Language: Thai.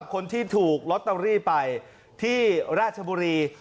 คนที่ถูกลอตเตอรี่ไปที่ราชบุรี